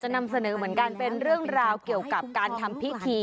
นำเสนอเหมือนกันเป็นเรื่องราวเกี่ยวกับการทำพิธี